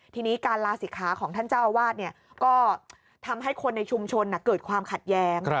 ทีนี้การลาศิกขาของท่านเจ้าอาวาสก็ทำให้คนในชุมชนเกิดความขัดแย้ง